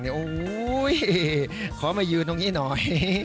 โหขอมายูตรงนี้หน่อย